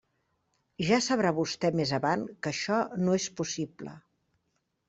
Ja sabrà vostè més avant que això no és possible.